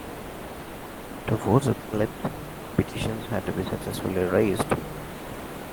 To force a ballot, petitions had to be successfully raised.